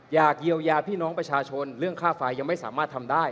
อยากเยียวยาพี่น้องประชาชนเรื่องค่าไฟยังไม่สามารถทำได้